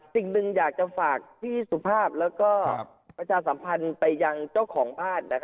สิ่งหนึ่งอยากจะฝากพี่สุภาพแล้วก็ประชาสัมพันธ์ไปยังเจ้าของบ้าน